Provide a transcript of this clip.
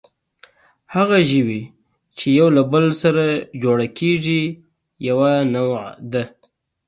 هغه ژوي، چې یو له بل سره جوړه کېږي، یوه نوعه ده.